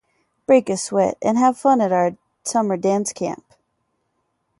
"Break a sweat and have fun at our summer dance camp."